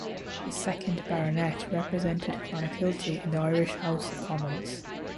The second Baronet represented Clonakilty in the Irish House of Commons.